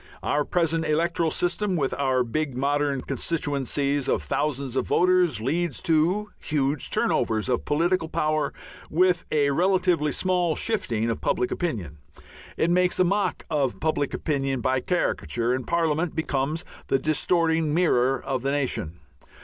Our present electoral system, with our big modern constituencies of thousands of voters, leads to huge turnovers of political power with a relatively small shifting of public opinion. It makes a mock of public opinion by caricature, and Parliament becomes the distorting mirror of the nation.